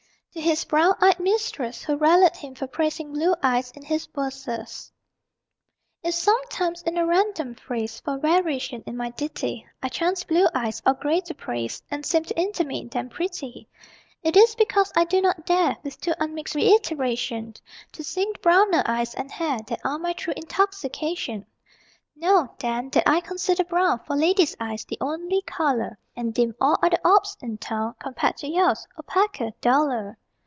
TO HIS BROWN EYED MISTRESS Who Rallied Him for Praising Blue Eyes in His Verses If sometimes, in a random phrase (For variation in my ditty), I chance blue eyes, or gray, to praise And seem to intimate them pretty It is because I do not dare With too unmixed reiteration To sing the browner eyes and hair That are my true intoxication. Know, then, that I consider brown For ladies' eyes, the only color; And deem all other orbs in town (Compared to yours), opaquer, duller.